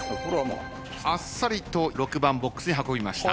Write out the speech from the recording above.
あっさりと６番ボックスに運びました。